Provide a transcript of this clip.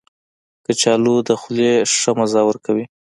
کچالو د خولې ښه مزه ورکوي